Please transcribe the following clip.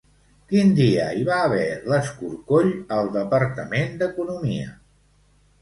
Quin dia hi va haver l'escorcoll al Departament d'Economia?